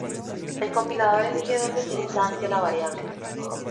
El compilador elige donde se instancia la variable.